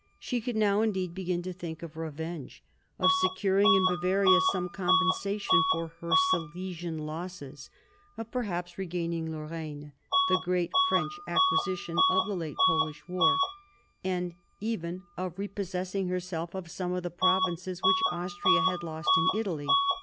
She could now indeed begin to think of revenge, of securing in Bavaria some compensation for her Silesian losses, of perhaps regaining Lorraine, the great French acquisition of the late Polish war, and even of repossessing herself of some of the provinces which Austria had lost in Italy.